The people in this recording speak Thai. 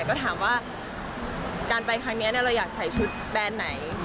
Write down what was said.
ก็ถามว่าการไปครั้งนี้เราอยากใส่ชุดแบรนด์ไหน